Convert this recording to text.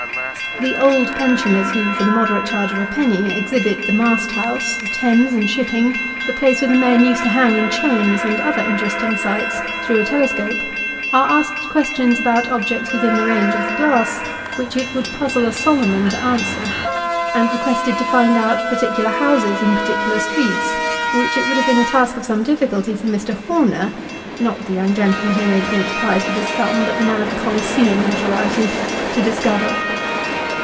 Tho old pensioners, who, for the moderate charge of a penny, exhibit the mast house, the Thames and shipping, the place where the men used to hang in chains, and other interesting sights, through a telescope, are asked questions about objects within the range of the glass, which it would puzzle a Solomon to answer ; and requested to find out particular houses in particular streets, which it would have been a task of some difficulty for Mr. Homer (not the young gentle man who ate mince pies with his thumb, but the man of Colosseum notoriety) to discover.